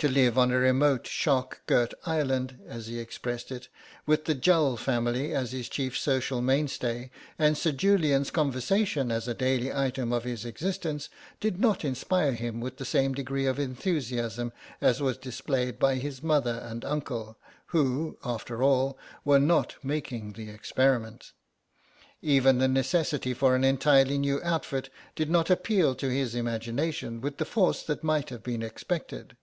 To live on a remote shark girt island, as he expressed it, with the Jull family as his chief social mainstay, and Sir Julian's conversation as a daily item of his existence, did not inspire him with the same degree of enthusiasm as was displayed by his mother and uncle, who, after all, were not making the experiment. Even the necessity for an entirely new outfit did not appeal to his imagination with the force that might have been expected.